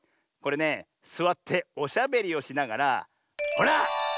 これねすわっておしゃべりをしながらほら